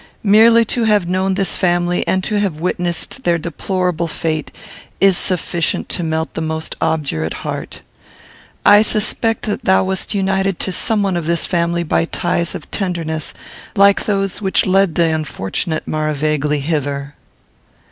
Merely to have known this family, and to have witnessed their deplorable fate, is sufficient to melt the most obdurate heart. I suspect that thou wast united to some one of this family by ties of tenderness like those which led the unfortunate Maravegli hither."